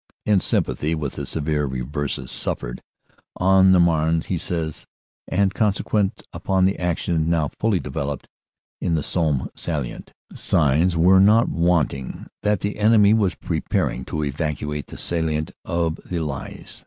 "In sympathy with the severe reverses suffered on the Marne," he says, "and consequent upon the actions now fully developed in the Somme salient, signs were not wanting that the enemy was preparing to evacuate the salient of the Lys.